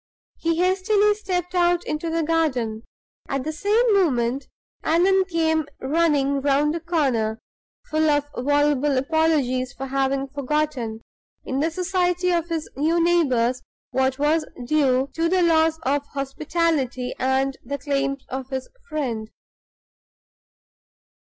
He hastily stepped out into the garden. At the same moment Allan came running round the corner, full of voluble apologies for having forgotten, in the society of his new neighbors, what was due to the laws of hospitality and the claims of his friend.